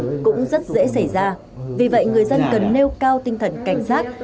tài sản cũng rất dễ xảy ra vì vậy người dân cần nêu cao tinh thần cảnh sát